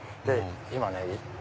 今ね